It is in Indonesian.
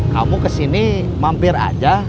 kamu kesini mampir aja